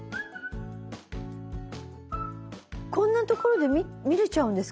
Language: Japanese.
こんなところで見れちゃうんですか？